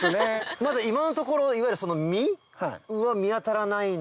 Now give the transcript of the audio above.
まだ今のところいわゆる実は見当たらないので。